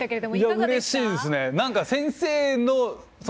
うれしいですね。